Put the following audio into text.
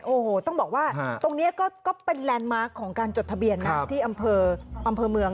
โอ้โหต้องบอกว่าตรงนี้ก็เป็นแลนด์มาร์คของการจดทะเบียนนะที่อำเภอเมือง